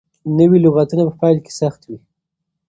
نوي لغتونه په پيل کې سخت وي.